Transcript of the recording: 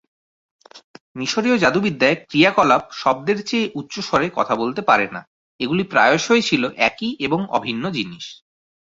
মিশরীয় যাদুবিদ্যায় ক্রিয়াকলাপ শব্দের চেয়ে উচ্চস্বরে কথা বলতে পারে না--এগুলি প্রায়শই ছিলো একই এবং অভিন্ন জিনিস।